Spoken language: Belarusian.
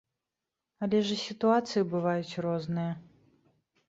Але ж і сітуацыі бываюць розныя.